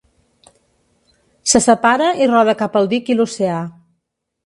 Se separa i roda cap al dic i l'oceà.